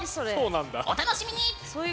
お楽しみに！